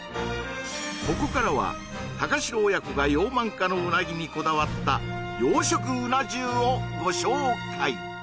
ここからは高城親子が養鰻家のうなぎにこだわった養殖うな重をご紹介